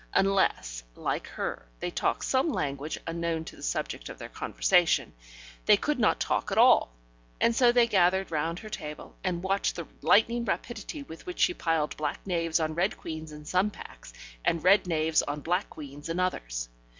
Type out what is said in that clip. Unless, like her, they talked some language unknown to the subject of their conversation, they could not talk at all, and so they gathered round her table, and watched the lightning rapidity with which she piled black knaves on red queens in some packs and red knaves on black queens in others.